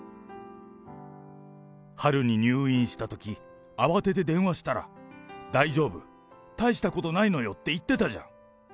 春に入院したとき、慌てて電話したら、大丈夫、大したことないのよって言ってたじゃん。